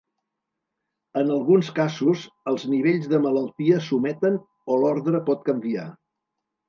En alguns casos, els nivells de malaltia s'ometen o l'ordre pot canviar.